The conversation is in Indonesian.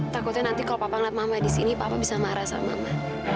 takutnya nanti kalau papa ngeliat mama di sini papa bisa marah sama mama